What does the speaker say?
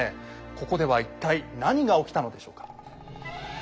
ここでは一体何が起きたのでしょうか。